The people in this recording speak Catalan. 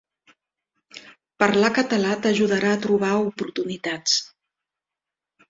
Parlar català t'ajudarà a trobar oportunitats.